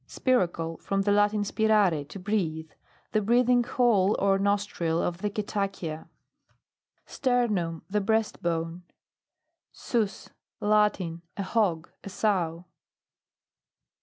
SPIRACLE. From the Latin, spirare, to breathe. The breathing hole or nostril of the cetacea. STERNUM The breast bone. Sus. Latin. A hog. a sow.